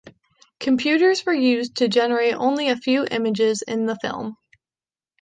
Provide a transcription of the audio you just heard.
Computers were used to generate only a few images in the film.